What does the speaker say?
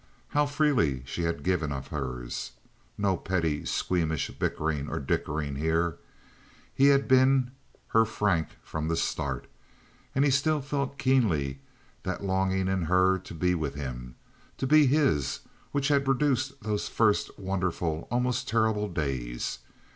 How freely she had given of hers! No petty, squeamish bickering and dickering here. He had been "her Frank" from the start, and he still felt keenly that longing in her to be with him, to be his, which had produced those first wonderful, almost terrible days.